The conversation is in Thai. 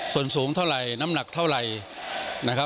ส่วนสูงเท่าไหร่น้ำหนักเท่าไหร่นะครับ